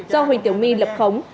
do huỳnh tiểu my lập khống